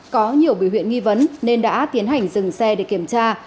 có nhiều bỉ huyện nghi vấn nên đã tiến hành dừng xe để kiểm tra